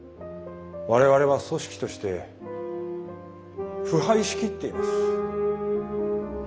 我々は組織として腐敗しきっています。